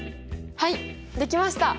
はいできました！